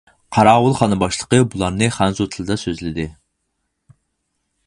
قاراۋۇلخانا باشلىقى بۇلارنى خەنزۇ تىلىدا سۆزلىدى.